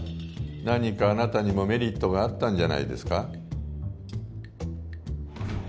何かあなたにもメリットがあったんじゃ？